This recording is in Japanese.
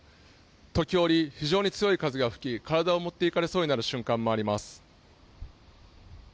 時折、非常に強い風が吹き、体を持っていかれそうになる瞬間もあります。